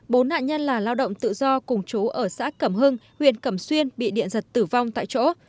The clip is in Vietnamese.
bốn nạn nhân là lao động tự do cùng chú ở xã cẩm hưng huyện cẩm xuyên bị điện giật tử vong tại chỗ